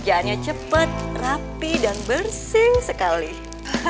menurutmu betul pohon bu being belama susah dib worship